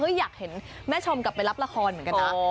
อยากเห็นแม่ชมกลับไปรับละครเหมือนกันนะ